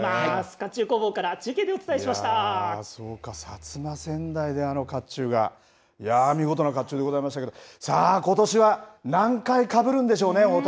かっちゅう工房からそうか、薩摩川内であのかっちゅうが見事なかっちゅうでございましたけどことしは何回かぶるんでしょうね